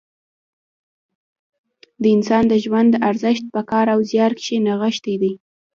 د انساني ژوند ارزښت په کار او زیار کې نغښتی دی.